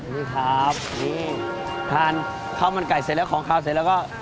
นี่ครับนี่ทานข้าวมันไก่เสร็จแล้วของขาวเสร็จแล้วก็